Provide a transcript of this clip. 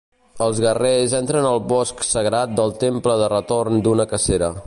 Els guerrers entren al bosc sagrat del Temple de retorn d'una cacera.